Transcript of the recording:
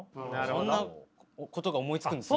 そんなことが思いつくんですね。